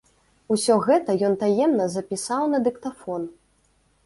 Усё гэта ён таемна запісаў на дыктафон.